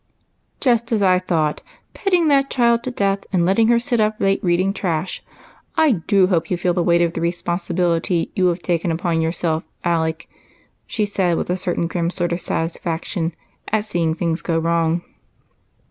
" Just as I thought ! petting that child to death and letting her sit up late reading trash. I do hope you feel the weight of the responsibility you have taken upon yourself, Alec," she said, with a certain grun sort of satisfaction at seeing things go wrong.